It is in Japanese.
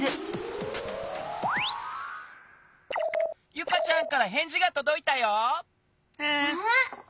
ユカちゃんからへんじがとどいたよ。わ！